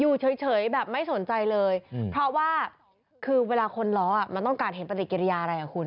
อยู่เฉยแบบไม่สนใจเลยเพราะว่าคือเวลาคนล้อมันต้องการเห็นปฏิกิริยาอะไรอ่ะคุณ